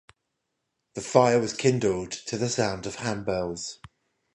The fire was kindled to the sound of handbells.